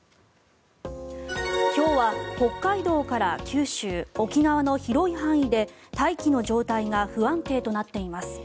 今日は北海道から九州、沖縄の広い範囲で大気の状態が不安定となっています。